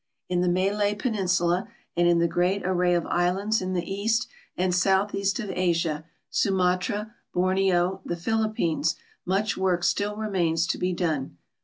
In the Malay ]3eninsula and in the great array of islands in the east and southeast of Asia ^Su matra, Borneo, the Philippines — much work still remains to be done.